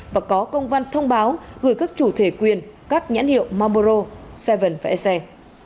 và có công văn thông báo gửi các chủ thể quyền các nhãn hiệu marlboro sf bảy sf bảy